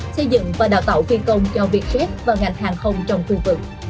xây dựng và đào tạo phi công cho việt jet và ngành hàng không trong khu vực